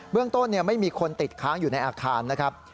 เรื่องต้นไม่มีคนติดค้างอยู่ในอาคารนะครับ